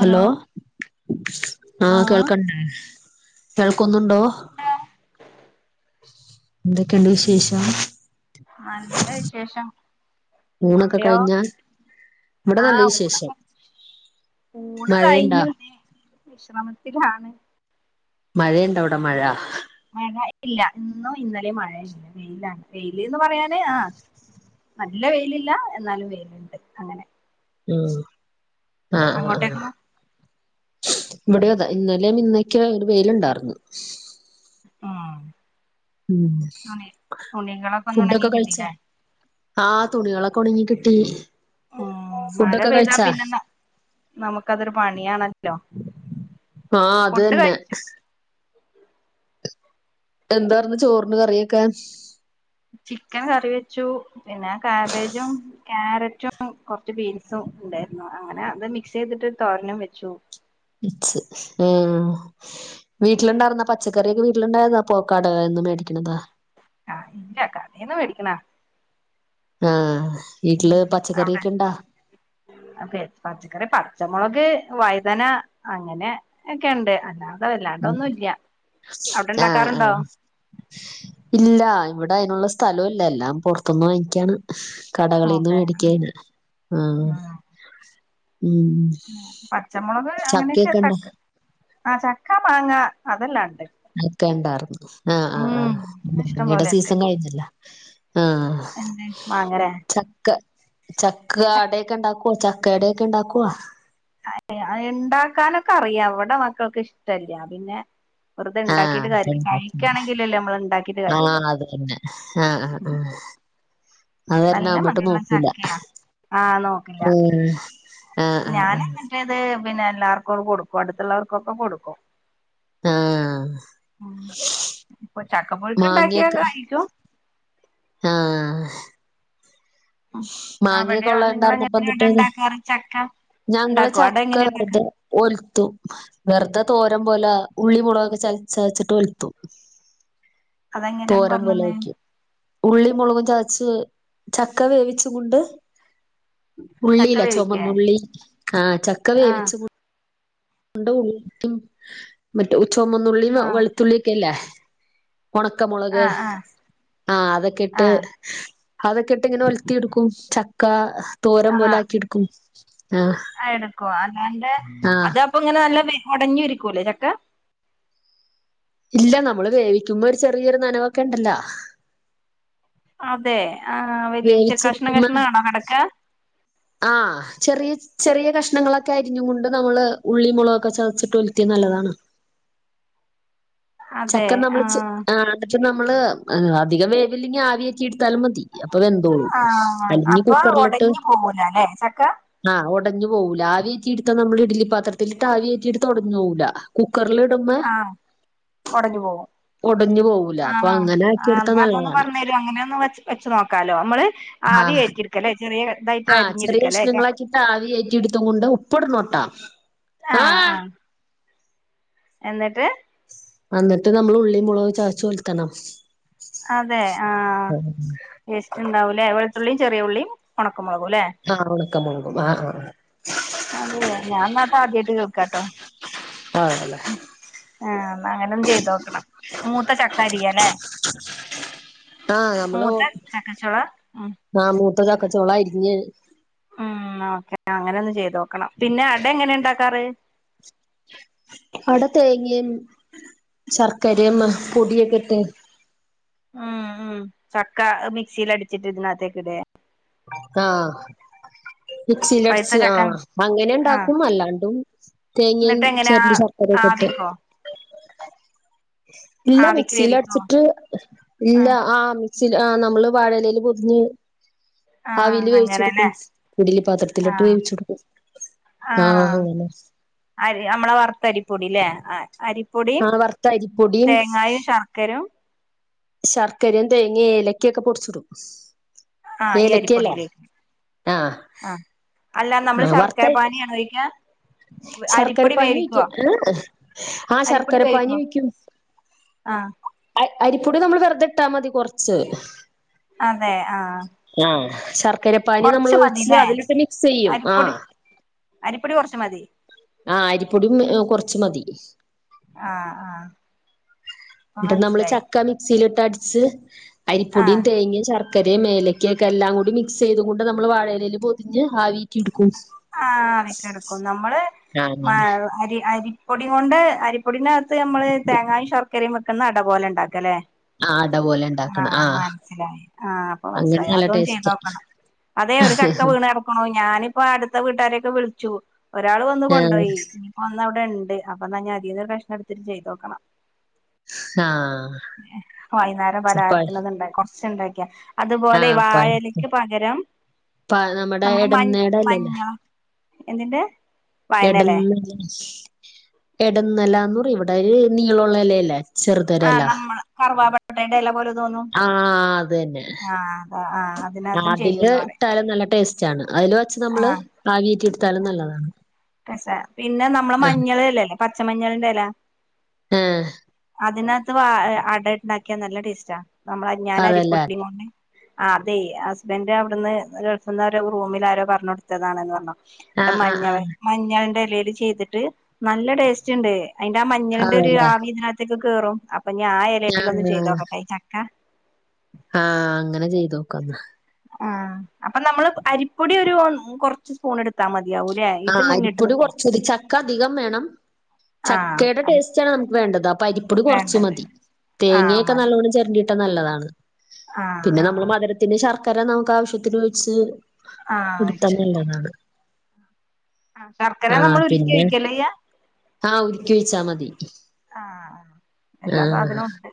Hello ആഹ് കേൾക്കൺ കേൾക്കൊന്നുണ്ടോ? എന്തൊക്കെയുണ്ട് വിശേഷം? നല്ല വിശേഷം. അവിടെയോ? ഇവടെ നല്ല ആഹ് വിശേഷം ഊണൊക്കെ ഊണ് മഴയുണ്ടാ കഴിഞ്ഞു തെ വിശ്രമത്തിലാണ്. മഴയുണ്ട അവിടെ മഴ? മഴ ഇല്ല. ഇന്നും ഇന്നലെ മഴയില്ല വെയിലാ വെയില്ന്ന് പറയാന് ആഹ് നല്ല വെയിലില്ല എന്നാലും വെയിലുണ്ട് അങ്ങനെ ഉം അങ്ങോട്ടേങൊ? ഇവിടെതാ ഇന്നലെ ഇന്നക്കെ ഒരു വെയിലുണ്ടാർന്ന്. ആഹ് ഉം ഒന്ന് ഉണങ്ങി ഫുഡൊക്കെ കഴിച്ചാ? കിട്ടില്ലേ ആഹ് തുണികളൊക്കെ ഒണങ്ങി കിട്ടി. ഉം മഴ ഫുഡൊക്കെ പെയ്താ കഴിച്ചാ പിന്നെ ന നമുക്കതൊരു പണിയാണല്ലോ. ആഹ് ഫുഡ് അതെന്നെ കഴിച്ച എന്താന്ന് ചോറിന് കറിയൊക്കാ ചിക്കൻ കറി കക്യാരറ്റും കുറച്ച് ബീൻസും ഉണ്ടായിരുന്നു അങ്ങനെ അത് മിക്സ് ചെയ്തിട്ട് തോരനും വെച്ചു [unintelligible] ആ വീട്ടിലുണ്ടായിുന്ന പച്ചക്കറിയക്കെ വീ വട്ടുണ്ടായിരുന്നാ [unintelligible] പോക്കാടകും മേടിക്കണതാ ആഹ് ഇല്ല കഥ [unintelligible] ന്നും മേടിക്കണാ ആഹ ഉ അവിടെെ പച്ചക്കറി പച്ചമുളക് വൈദന അങ്ങനെ ഒക്കെ ഉണ്ട് അല്ലാ [unintelligible] ആഹ ആഹ ഇണ്ടാക്കാറുണ്ടോ ഇല്ല അവിടെ അതിനുള്ള സ്ഥലംല്ല എല്ലാം പുൊറത്തന്ന് വാങ്ങിക്കാണ് കടകളിൽന്നും ഓക്കെ മേടിക്കന ആ ഉം പച്ചമുളക് ചക്കയൊക്കെ അങ്ങനെയൊക്കെക്ക ഉണ്ടോ ആഹ ചക്ക മാങ്ങ അതെല്ലാണ്ട് അക്കെ ഉണ്ടായിരുന്നു ആഹ ആഹ് ഉം ആഹ് ഇഷ്ടം മങ്ങയുടെ പോലെ സീസൺ കഴിഞ്ഞില്ല ആഹ എന്ത മാങ്ങ ചക്ക ചക്ക അടയൊക്കെ ഇണ്ടാക്കുവ ചക്ക ഇടൊക്കെ ഇണ്ടാക്കുവ അ അ ഉണ്ടാക്കാനൊക്കെ അറിയാം എവിടെ മക്കൾക്ക് ഇഷ്ടല്ല പിന്നെ വെറുതെ ആഹ ഇണ്ടാക്കിട്ട് കാര്യല്ല കഴിക്കാണെങ്കിലല്ലേ നമ്മള് ഇണ്ടാക്കിട്ട് ആ കാര്യള്ളൂ അ തന്നെ ആഹ ആ നല്ല അത്രണാ്പോട്ട് [unintelligible] മധുരള്ള നോക്കൂല ചക്കയാ ഏർ ഞാന മറ്റേത് പിന്നെ എല്ലാർക്കുംും കൊടുക്കും അടുത്തുള്ളവർക്കൊക്കെ കൊടുക്കും ആഹ ഉ ഇപ്പൊ ചക്ക പുൊഴുക്ക് ഇണ്ടാക്കിയാ മാങ്ങയൊക്കെ കായിിക്കോ ഉം അവിടെ മാങ്ങിയൊക്കെള്ളാന്ന് നിങ്ങളെങ്ങനെ ഇണ്ടായിർന്നപ്പ അവിടെ ന്നിട്ട് ഇണ്ടാക്കാറ് ചക്ക ഞങ്ങള് ഇണ്ടാക്കോ അവിടെ ചക്ക എങ്ങനെ ഇണ്ടാക്കാ വെറുതെ ഒൽത്തും വെറുതെ തോരം പോലെ ഉള്ളി മുളകൊക്കെ ചല ചതച്ചിട്ട് ഒലുത്തും അതെങ്ങനെയാന്ന് പറഞ്ഞന്നേ ഉള്ളി മുളകും ചതച്ച് ചക്ക വേവിച്ചു കൊണ്ട് ചക്ക ഉള്ളില്ലേ വേവിക്കേ ചോമന്നുള്ളി ആഹ് ചക്ക ആഹ് വേവിച്ചു [unintelligible] മറ്റേ ചുമന്നുള്ളിയും ആഹ് വെളുത്തുള്ളിയക്കല്ലേ ഉണക്ക മുളക് ആഹ് ആഹ് ആ അതൊക്കെ ഇട്ട് ആഹ് അതൊക്കെ ഇട്ട് ഇങ്ങനെ ഒലത്തി എടുക്കും ക്കാ തോരം പോലെ ആക്കി ഇട്ക്കും ആ എടുക്കും അല്ലാണ്ടെ ആഹ് അത് അപ്പൊ ഇങ്ങനെല്ല ഒടഞ്ഞു ഇരിക്കൂലേ ചക്ക ഇല്ല നമ്മള് വേവിക്കുമ്പോ ഒരു ചെറിയൊരു നനവൊക്കെ ഇണ്ടല്ലോ അതെ ആ വലിയച്ച കഷ്ണം കഷ്ണം ആണോ കിടക്ക ആഹ് ചെറിയ ചെറിയ കഷ്ണങ്ങളൊക്കെ അരിഞ്ഞുകൊ ണ്ട് നമ്മള് ഉള്ളി മുളകൊക്കെ ചതച്ചിട്ട് ഒലത്തിത് നല്ലതാണ് അതെ ചക്ക ആ നമ്മള് [unintelligible] അധികം വേവില്ലെങ്കിൽ ആവിയാക്കി എടുത്താലും മതി അപ്പൊ വെന്തോളും ആ അല്ലെങ്കി അപ്പൊ കുക്കറിലിട്ട് ഒടഞ്ഞു പോകൂല അല്ലെ ചക്ക ആഹ് ഒടഞ്ഞു പോവൂല ആവിയേറ്റി എടുത്താ നമ്മള് ബല്ലി പാത്രത്തില്ട്ട് ആവിയേറ്റിട്ത്ത ഒടഞ്ഞു പോവൂല കുക്കറിൽ ഇടുമ്പോ ആ ഒടഞ്ഞു പോകും ഞ് പോവൂല അപ്പൊ ആഹ് അങ്ങനെ ആ ആക്കി എടുത്താ എന്ന അതൊന്ന് നല്ലതാണ്. പറഞ്ഞേരോ അങ്ങനെ ഒന്ന് വെച്ച് വെച്ച് നോക്കാലോ മ്മള് ആവിയേറ്റി ഇട്ക്കലേ ആഹ് ചെറിയ കഷ്ണങ്ങളാക്കിട്ട് ആവി ഏറ്റിയിടുത്തുകൊണ്ട് ഉപ്പ്ട്ണോട്ടാ ആഹ് ആ എന്നിട്ട് എന്നിട്ട് നമ്മള് ഉള്ളി മുളക് ചതച്ച് ഒലത്തണം അതെ ആഹ വേസ്റ്റ് ഉണ്ടാവൂലേ വെളുത്തുള്ളിയും ചെറിയ ഉുള്ളിയും ഉണക്ക ക്ക മുളകും ലേ [unintelligible] അതെ ഞാൻന്നാ ട്ട ഇതാദ്യയിട്ട് കേക്കാട്ടോ ആ അല്ലേ ആഹ് അങ്ങനൊന്ന് ചെയ്തോക്കണം മൂത്ത ചക്കരിയാല്ലേ ആഹ് നമ്മള് മൂത്ത ചക്ക ചോള മ്മ് ആ മൂത്ത ചക്ക ചൊള അരിഞ്ഞ് [unintelligible] ഉം ഓക്കെ അങ്ങനെ ഒന്ന് ചെയ്ത് നോക്കണം പിന്നെ അട എങ്ങനെ ഇണ്ടാക്കാറ് അവിട തേങ്ങി ശർക്കരിം പൊടിയൊക്കെ ഇട്ട് ഉം ഉം ചക്കാ മികസിയിലടിച്ചിട്ട് ഇതിനകത്തെേകിടെ ആഹ് പഴുത്ത മിക്സീലടിച്ചു ആ ചക്ക ആഹ് അങ്ങനെണ്ടാക്കും അല്ലാണ്ടും തേങ്ങി എന്നിട്ട് എങ്ങനെയാ ചെരണ്ടി ശർക്കരക്കെ [unintelligible] [inaudible] ഇല്ല ആവിക്ക് മിക്സീൽ വേവിക്കോ അടിച്ചിട്ട് ഇല്ല ആഹ് ആ [unintelligible] നമ്മള് വാഴലയില് പൊതിഞ് ആഹ് ആവില് വേവിച്ചെടുക്കും അങ്ങനെല്ലേ ഇഡിലി പാത്രത്തിലിട്ട് വേവിച്ചടുക്കും ആഹ അരി മ്മളെ വറുത്തരിപ്പൊടില്ലേ ആ അരിപ്പൊടിയും ആഹ് വറുത്ത അരിപ്പൊടിയും തേങ്ങായും ശർക്കരും ശർക്കരയും തേങ്ങയും ഇലക്കൊക്കെ പൊടിച്ചിടും ആഹ ഈ ഏലക്കല്ലേ അരിപ്പൊടിയിലേക്ക് ആഹ് ആഹ അല്ല നമ്മള് ശർക്കര വറുത്ത പാനീയാണോ ഒഴിക്കാ ശർക്കര അരിപ്പൊടി വേവിക്കുവോ പാഞ്ഞിഒഴിക്കും, ആഹ് ആ ശർക്കര പാഞ്ഞി ഒഴിക്കും ആഹ അരിപ്പൊടി നമ്മൾ വെറുതെ ഇട്ടാ മതി കുറച്ച് അതെ ആഹ് ആ ശർക്കരപ്പാനി നമ്മൾ കൊറച്ച് ഒഴിച്ച് മതില്ലേ അതിലിട്ട് മിക്സ് ചെയ്യും ആഹ അരിപ്പൊടി അരിപ്പൊടി കൊറച്ച് മതി ആ അരിപ്പൊടിയും കുറച്ച് മതി ആഹ ആഹ അപ്പൊ എന്നിട്ട് നമ്മള് മനസിലായി ചക്ക മിക്സിയിലിട്ട് അടിച്ച് അരിപ്പൊടിയും തേങ്ങീമം ശർ മക്കരയും ഏലക്കയൊക്കെ എല്ലാം കൂടി മിക്സ് ചെയ്തു കൊണ്ട് നമ്മൾ വാഴയിലയിൽ പൊതിഞ്ഞ് ആ- ആ അറക്കെടുക്കും നമ്മള് ആഹ് ആ അങ്ങനെ അരി അരി പൊടി കൊണ്ട് അരിപ്പൊടിനകത്ത് നമ്മള് തേങ്ങായും ശർക്കരയും വെക്കുന്ന അട പോലെ ഉണ്ടാക്കുകല്ലേ ആഹ അട പോലെ ഇണ്ടാക്കണം ആഹ ആഹ് മനസ്സിലായി ആഹ് അപ്പ അങ്ങനെ മനസ്സിലായി നല്ല അതൊന്ന് ടേസ്റ്റാ ചെയ്തോക്കണം അതെ ഒരു ചക്ക വീണ് കടക്കണു ഞാനിപ്പോ അടുത്ത് പെരേക്ക് വിളിച്ചു ഒരാൾ വന്ന് ആഹ് കൊണ്ടോയി ണ്ട് അപ്പ എന്നാ അതിന്ന് ഒരു കഷ്ണം എടുത്തിട്ട് ചെയ്തോക്കണം ആഹ് വൈകുന്നേരം പഴ് പലഹാരത്തിനത്ണ്ടായി കൊറച്ചുണ്ടാക്കിയ അതുപോലെ ആഹ് പഴ് വാഴലയ്ക്ക് പകരം പ നമ്മുടെ മഞ് എടന്നേട എന്തിന്റെ വയനല്ലേ എടന്ന എടന്നലാന്ന് പറ ഇവിടൊരു നീളള്ള ഇല അല്ലെ ആഹ് നമ്മള് കറവാപ്പട്ടയുടെ ഇല പോലത്തെ ആഹ അത് തന്നെ അത ആ അതിനകത്തും അതില് ചെയ്യുംന്ന് പറയാ ഇട്ടാലും നല്ല ടേസ്റ്റ് ആണ് അതില് വച്ച് നമ്മള് ആ കാവേറ്റി സ്ഥലം നല്ലതാണ് പിന്നെ നമ്മൾ മഞ്ഞളില്ലേ പച്ചമഞ്ഞളിന്റെ ഇല ആഹ അതിനകത്ത് അടയിട്ടുണ്ടാക്കിയാ നല്ല ടേസ്റ്റാ നമ്മള ഞാൻ അരിപ്പൊട അതല്ലേ കൊണ്ട് ആ അതെ ഹസ്ബൻഡ് അവിടുന്ന് ഗൾഫിന്ന് റൂമിൽ ആരോ പറഞ്ഞ് കൊടുത്തതാണന്ന് പറഞ്ഞു ആഹ ആഹ് ആഹ് ഇലേൽ ചെയ്ത്തിട്ട് നല്ല ടേസ്റ്റ്ണ്ട് അയിന്റെ മഞ്ഞളിന്റെ ഒരു അതല്ലേ ആവി ഇതിനകത്തേക്ക് കേറും അപ്പൊ ഞാൻ ആ ഇലേൽ ഒന്നും ചെയ്തോക്കട്ടെ ചക്ക ആഹ അങ്ങനെ ചെയ്തു നോക്കന്നാ ആ അപ്പൊ നമ്മള് അരിപ്പൊടി ഒരു കുറച്ച് സ്പൂൺ എടുത്താൽ മതി ആ അരിപ്പൊടി കുറച്ച് ചക്ക അധികം വേണം ആഹ് ചക്കയുടെ അത് ടേസ്റ്റാണ് നമുക്ക് വേണ്ടത് അരിപ്പിടി കുറച്ച് വേണ്ടത് മതി ആഹ് തേങ്ങൊക്കെ മതി നല്ലോണ്ണം ചിരണ്ടിയിട്ടാ നല്ലതാണ് ആഹ് പിന്നെ നമ്മള് ആഹ് മധുരത്തിന് ശർക്കര നമുക്ക് ആവശ്യത്തിന് വെച്ച് ആഹ് ഇടുത്തന്നല്ലതാണ് ആ ശർക്കര നമ്മൾ ഉരുക്കി വെക്കല്ലയ്യ ആഹ ഉരുക്കി വെച്ചാൽ മതി ആഹ എല്ലാ സാധനവും ഉണ്ട്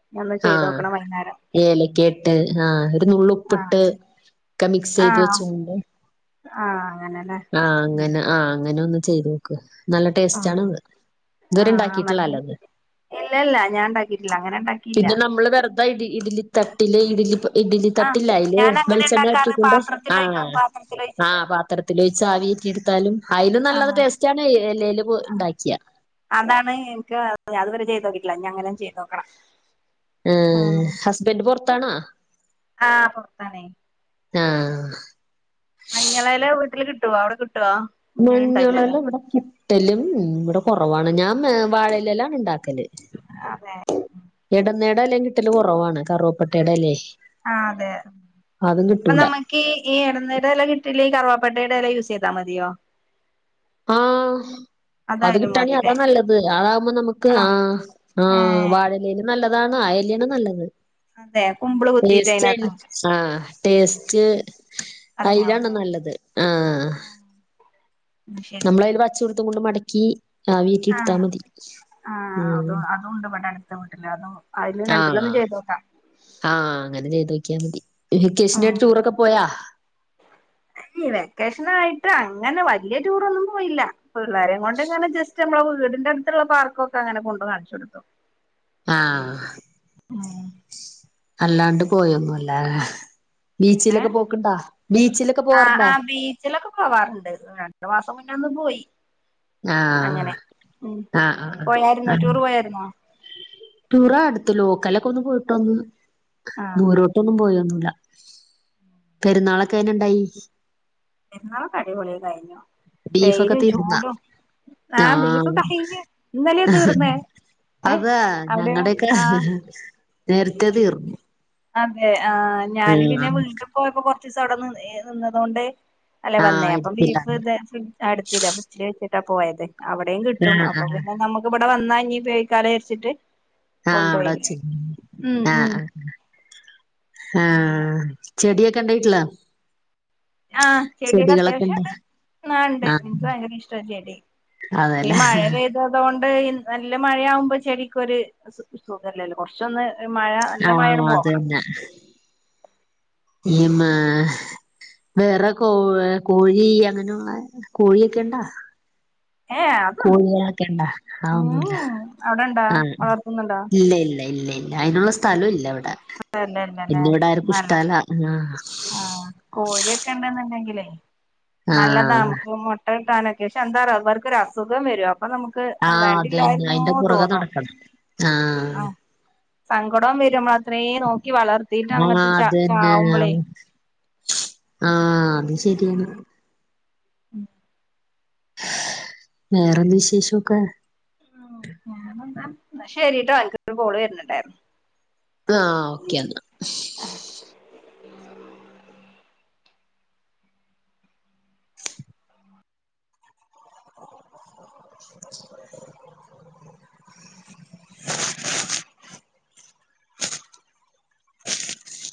ഇനി ഒന്ന് ആഹ ചെയ്തോക്കണം വൈകുന്നേരം ഏലക്കിട്ട് ആഹ ഒരു ആഹ് നുള്ളുപ്പിട്ട് ഒക്കെ മിക്സ് ചെയ്ത് ആഹ് വെച്ച് കാണ്ട് ആഹ് അങ്ങനെല്ലേ ആ ഉം അങ്ങനെ ആ അങ്ങനെ ഒന്ന് ചെയ്ത് നോക്ക് നല്ല ടേസ്റ്റ് ആണത് ഇതുവരെ ഇണ്ടാക്കിട്ട്ളാല്ലോ അത് ഇല്ല ഇല്ല ഞാൻ ഉണ്ടാക്കിയിട്ടില്ല അങ്ങനെ ഉണ്ടാക്കി പിന്നെ നമ്മള് വെറുത ഇ ഇഡലി തട്ടിൽ ഇഡലി ഇഡ്ലി ആഹ് തട്ടില്ലേ അയിൽ ഞാൻ അങ്ങനെ വെളിച്ചെണ്ണ ഉണ്ടാക്കാറ് ആറ്റാണ്ട് ആ പാത്രത്തിലൊഴിക്കും പാത്രത്തിലൊഴിച്ചിട്ട് ആഹ് പാത്രത്തില് ആവി ഇറ്റടുത്താലും അയിലും നല്ല ആഹ് ടേസ്റ്റാണ് ഇലയിൽ ഉണ്ടാക്കിയാ അതാണ് എനിക്ക് അതുവരെ ചെയ്തുതോക്കിട്ടില്ല ഇനി അങ്ങനൊന്ന് ചെയ്തോക്കണം ആ ആഹ് ഹസ്ബൻഡ് പൊറത്താണോ ആഹ് പുറത്താണേ ആഹ മഞ്ഞളയിലെ വീട്ടിൽ കിട്ടുവോ അവിടെ കിട്ട മഞ്ഞളെല്ലാം ഇവിടെ കിട്ടലും ഇവിടെ കുറവാണ് ഞാൻ വാഴലെല്ലാണ് ഇണ്ടാക്ക ല് ഇടുന്നേട അല്ലേ കിട്ടല് കുറവാണ് കറുവപ്പട്ടയുടെ അല്ലേ ആ അതെ അപ്പൊ നമ്മക്ക് ഈ ഇടനീരല്ലാം കിട്ട ട്ടല്ല ഈ കറവാപ്പട്ടയുടെ എല്ലാം യൂസ് ചെയ്താൽ മതിയോ ആഹ അത് അതായാലും കിട്ടണ അതാ മതില്ലേ നല്ലത് അതകുമ്പോ നമുക്ക് ആണോ ആ ആ് ഏഹ് വാഴലും നല്ല അതാണ് ആയല് നല്ലത് അതെ കുമ്പിള് കുത്തിയിട്ട് അതിനകത്ത് ആ ടേസ്റ്റ് അതിലാാണ്ോ അതിനാവുല്ലേ നല്ലത് ആഹ ആഹ് ശരി നമ്മള അതിൽ പച്ച കൊടത്തും കൊണ്ട് മടക്കി ആ വീട്ടില ഇടുത്താ ആഹ് മതി ഉ അ മട്ടില്ലാതും ആഹ ആഹ അങ്ങനെ ചെയ്ത് നോക്കിയാൽ മതി ഉം കൃഷ്ണിയയുടെ ടൂറൊക്കെ പോയാ അ അങ്ങനെ വലിയ ടൂറൊന്നും പോയില്ല പിള്ളേരെയ കൊണ്ട് ഇങ്ങനെ ജസ്റ്റ് നമ്മള വീടിന്റെറടുത്തുള്ള പാർക്കൊക്കെ അങ്ങനെ കൊണ്ട കാണിച്ചു കൊടുത്തു ആഹ ആഹ അല്ലാണ്ട് പോയൊന്നുംല്ല അങ്ങനെ ബീച്ചിലൊക്കെ പോക്കണ്ടാ ബീച്ചിലൊക്കെ ആഹ് പോവാറുണ്ടാ രണ്ട മാസം മുന്നന്ന് പോയി ആ അങ്ങനെ ഉ ആ പോയായിുന്നോ ടൂർ പോയായിരുന്നോ ടൂറ അടുത്ത് ലോക്കലൊക്കെ ഒന്ന് പോയിട്ടൊന്ന് ആഹ് നൂരോട്ടൊന്നും പോയിോന്നു പെരുന്നാളൊക്കെ അനെ ഇണ്ടായി എന്നരുന്നാള് അടിപൊളി കഴിഞ്ഞു ബീഫൊക്കെ വെയിലും തീർന്നാ ചൂടും ആ ബീഫ് ആഹ് കൈിഞ്ഞ ഇന്നലെയ തീർന്നേ ഏഹ് അതാ അവിടെയോ ഞങ്ങളുടെയൊക്കെ ആഹ് നേരത്തെ തീർന്നു അതെ ആ ഞാന് പിന്നെ ആഹ് വീട്ടിൽ പോയപ്പോ കൊറച്ച ദിവസം അവിടെ നി നിന്നതൊണ്ട് അല്ലെ വന്നേ ആഹ് അപ്പൊ എടുത്തില്ല ബീഫ് ഇത് ഫ്ര് അടുത്തില്ല ഫ്രിഡ്ജിൽ വെച്ചിട്ടാ പോയത് അവിടെയും കിട്ടും ആഹ് അപ്പൊ ആഹ് പിന്നെ നമ്മുക്ക്ിവിടെ വന്നാ ഇ ഉപയോഗിക്കാലചരിച്ചിട്ട് ആഹ് അവിടെ വച്ച് കൊണ്ടപോയില്ലേ ഉ ഉ ആഹ ചെടിയൊക്കെ ഉണ്ടായിട്ടില്ല ആഹ ചെടിയൊക്കെ അത്യാവശ്യംണ്ട് ആ ഉണ്ട് ആഹ് എനിക്ക് ഭയങ്കര ഇഷ്ട ചെടിിയ ഈ അതെല്ലേ മഴ പെയ്തതുകൊണ്ട് ന നല്ല മഴയാവുമ്പോ ചെടക്ക്ൊരു സുഖംല്ലല്ലോ കുറച്ചൊന്ന് ഒരു മഴ നല്ല ആഹ് മഴയാണ് പോകണം അതന്നെ വേറെ കോ കോഴി അങ്ങനെയുള്ള കോഴിയൊക്കെണ്ടാ ഏഹ് അതൊന്നുല്ല കോഴികളൊക്കെ ഇണ്ടാ ആ ഉം ഒന്നുമല്ല ഉം അവിടെണ്ടാ ആഹ വളർത്തുന്നുണ്ടോ ഇല്ല ഇല്ല ഇല്ല ഇല്ല അതിനുള്ള സ്ഥലം ഇല്ല അവിടെ പിന്നെ ഇവിട ആർക്കും ഇഷ്ടല്ല ആ ആഹ കോഴിയൊക്കെ ഉണ്ടെന്നുണ്ടെങ്കിലേ നല്ലതാ ആഹ് നമുക്ക് മുട്ട കിട്ടാനൊക്കെ ക്ഷെ എന്താും അവർൊ ഒരു അസുഖം വരുവാ അപ്പൊ നമുക്ക് ആഹ് അതന്നെ വേണ്ടില്ലായിരുന്നു അയിന്റെ പുറകെ തോന്നോ നടക്കണം ആഹ ആഹ് സങ്കടം വരുമ്പോൾ അത്രേയും ആഹ അതന്നെ ചാവുമ്പളേ ആഹ അത് ശരിയാണ് ഉം വേറെന്ത വിശേഷൊക്കെ ശരിട്ടോ എനക്ക്ൊരു പോള് വരുന്നുിണ്ടായിരുന്നു ആഹ ഓക്കെന്നാ [inaudible] [inaudible]